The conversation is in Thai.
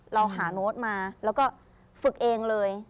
เราหาโน้ตมาแล้วก็ฝึกเองเลย